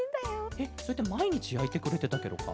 えっそれってまいにちやいてくれてたケロか？